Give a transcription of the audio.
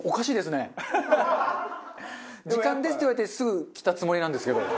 「時間です」って言われてすぐ来たつもりなんですけど。